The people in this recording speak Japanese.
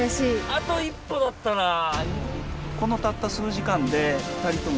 あと一歩だったなあ。